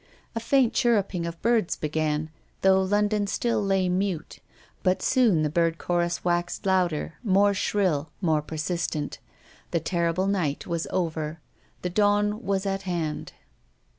A faint chirrup ing of birds began, though London still lay mute, but soon the bird chorus waxed louder, more shrill, more persistent. The terrible night was over. The dawn was at hand.